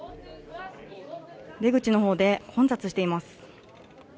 出口のほうで混雑しています。